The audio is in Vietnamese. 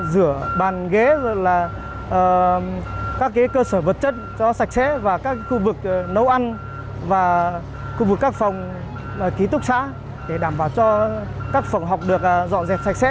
rửa bàn ghế là các cơ sở vật chất cho sạch sẽ và các khu vực nấu ăn và khu vực các phòng ký túc xá để đảm bảo cho các phòng học được dọn dẹp sạch sẽ